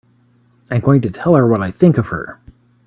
I'm going to tell her what I think of her!